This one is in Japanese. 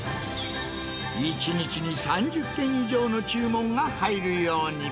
１日に３０件以上の注文が入るように。